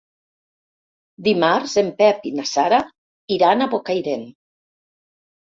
Dimarts en Pep i na Sara iran a Bocairent.